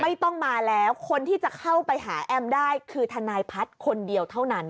ไม่ต้องมาแล้วคนที่จะเข้าไปหาแอมได้คือทนายพัฒน์คนเดียวเท่านั้น